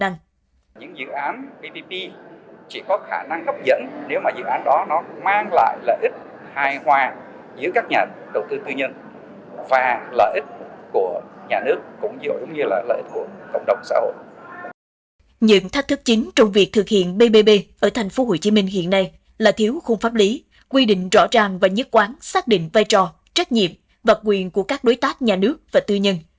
những thách thức chính trong việc thực hiện ppp ở tp hcm hiện nay là thiếu khung pháp lý quy định rõ ràng và nhất quán xác định vai trò trách nhiệm và quyền của các đối tác nhà nước và tư nhân